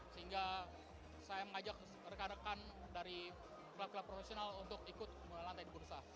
sehingga saya mengajak rekan rekan dari klub klub profesional untuk ikut melantai di bursa